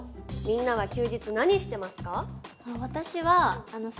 みんなは休日何してますか？